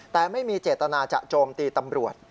แต่ไม่มีเจตนาจะโจมตีตำรวจ